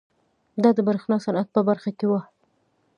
دا د برېښنا صنعت په برخه کې وه.